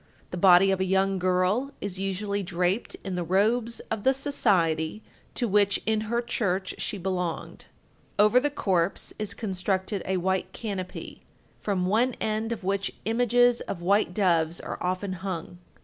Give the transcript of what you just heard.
The body of a young girl is usually draped in the robes of the society to which in her church she belonged. Over the corpse is constructed a white canopy, from one end of which images of white doves are often hung.